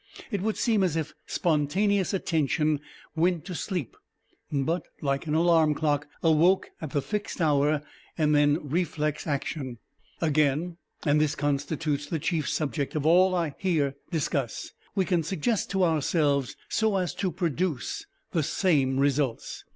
It would seem as if spontaneous attention went to sleep, but, like an alarm clock, awoke at the fixed hour, and then reflex action. Again and this constitutes the chief subject of all I here discuss we can suggest to ourselves so as to produce the same results.